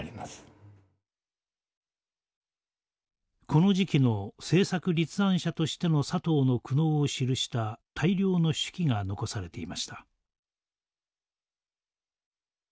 この時期の政策立案者としての佐藤の苦悩を記した大量の手記が残されていました。